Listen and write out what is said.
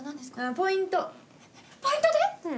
ポイントで⁉うん。